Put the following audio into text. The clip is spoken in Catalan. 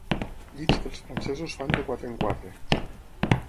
Llits que els francesos fan de quatre en quatre.